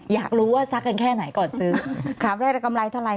อยากรู้ว่าซักกันแค่ไหนก่อนซื้อขามแรกกำไรเท่าไร